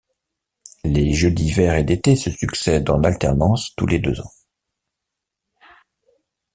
Les jeux d’hiver et d’été se succèdent en alternance tous les deux ans.